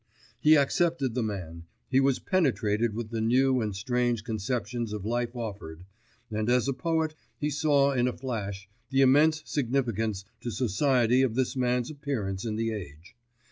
He accepted the man, he was penetrated with the new and strange conceptions of life offered, and as a poet he saw in a flash the immense significance to society of this man's appearance in the age.